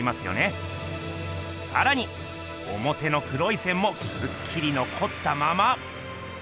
さらにおもての黒い線もくっきりのこったまま。